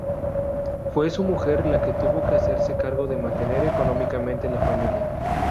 Fue su mujer la que tuvo que hacerse cargo de mantener económicamente la familia.